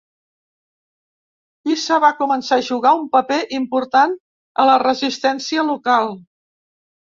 Isa va començar a jugar un paper important a la resistència local.